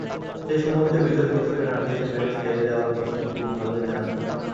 শেষ মুহূর্তে বিতর্কিত পেনাল্টিতে ম্যাচ হেরে যাওয়ার কষ্ট খুব ভালোই জানা তাঁর।